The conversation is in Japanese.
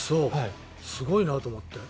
すごいなと思って。